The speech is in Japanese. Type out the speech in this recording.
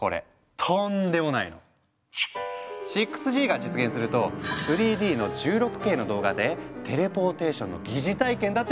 ６Ｇが実現すると３Ｄの１６Ｋの動画でテレポーテーションの擬似体験だってできちゃう！